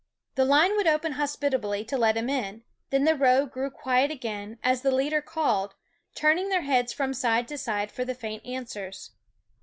The line would open hospitably to let him in ; then the row grew quiet again, as the leader called, turning their heads from side to side for the faint answers.